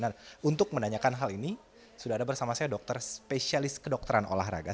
nah untuk menanyakan hal ini sudah ada bersama saya dokter spesialis kedokteran olahraga